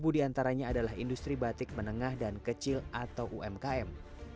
sepuluh diantaranya adalah industri batik menengah dan kecil atau umkm